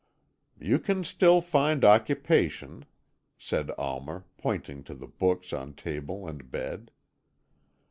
"You can still find occupation," said Almer, pointing to the books on table and bed.